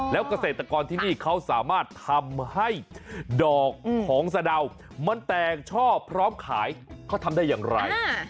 แล้วเกษตรกรที่นี่เขาสามารถทำให้ดอกของสะดาวมันแตกชอบพร้อมขายเขาทำได้อย่างไร